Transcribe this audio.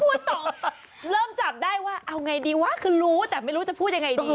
ตอบเริ่มจับได้ว่าเอาไงดีวะคือรู้แต่ไม่รู้จะพูดยังไงดี